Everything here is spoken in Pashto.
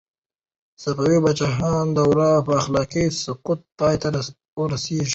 د صفوي پاچاهانو دوره په اخلاقي سقوط پای ته ورسېده.